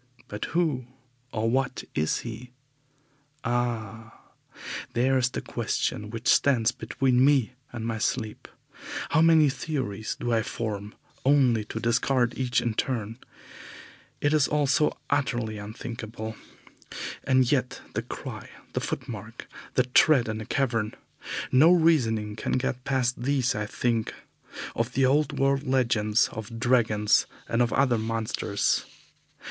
But who and what is he? Ah! there is the question which stands between me and my sleep. How many theories do I form, only to discard each in turn! It is all so utterly unthinkable. And yet the cry, the footmark, the tread in the cavern no reasoning can get past these I think of the old world legends of dragons and of other monsters.